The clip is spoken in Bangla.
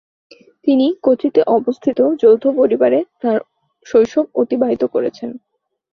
তিনি কোচিতে অবস্থিত একটি যৌথ পরিবারে তাঁর শৈশব অতিবাহিত করেছেন।